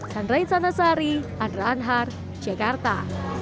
sandra insanasari andra anhar jakarta